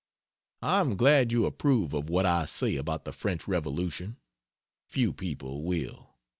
I am glad you approve of what I say about the French Revolution. Few people will.